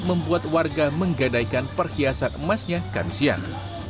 membuat warga menggadaikan perhiasan emasnya kami siang